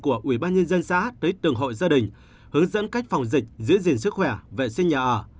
của ubnd xã tới từng hội gia đình hướng dẫn cách phòng dịch giữ gìn sức khỏe vệ sinh nhà ở